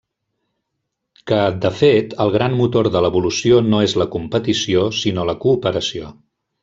Que, de fet, el gran motor de l'evolució no és la competició, sinó la cooperació.